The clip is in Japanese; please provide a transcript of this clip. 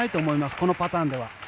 このパターンでは。